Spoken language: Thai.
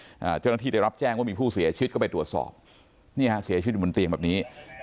เจ้าหน้าที่ได้รับแจ้งว่ามีผู้เสียชีวิตก็ไปตรวจสอบนี่ฮะเสียชีวิตอยู่บนเตียงแบบนี้